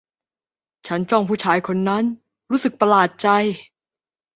ฉันจ้องผู้ชายคนนั้น รู้สึกประหลาดใจ